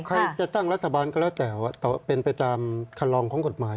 ใครจะตั้งรัฐบาลก็แล้วแต่ว่าเป็นไปตามคำลองของกฎหมาย